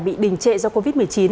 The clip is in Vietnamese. bị đình trệ do covid một mươi chín